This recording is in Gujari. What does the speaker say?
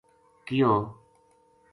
کہیو